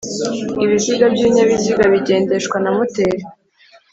Ibiziga by'ibinyabiziga bigendeshwa na moteri